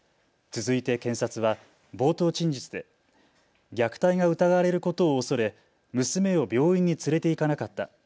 続いて検察は冒頭陳述で虐待が疑われることを恐れ娘を病院に連れて行かなかった。